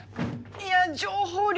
いや情報量！